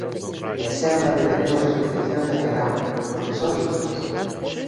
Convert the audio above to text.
E sempre apoiaremos as peticións da Fegamp, porque son xustas.